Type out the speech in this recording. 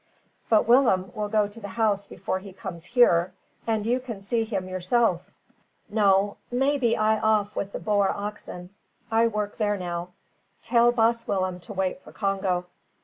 "But Willem will go to the house before he comes here, and you can see him yourself." "No; may be I off with the boer oxen. I work there now. Tell baas Willem to wait for Congo."